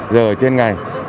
giờ trên ngày